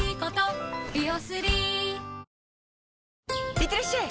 いってらっしゃい！